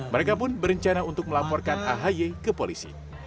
mereka pun berencana untuk melaporkan ahy ke polisi